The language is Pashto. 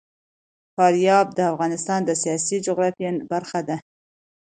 فاریاب د افغانستان د سیاسي جغرافیه برخه ده.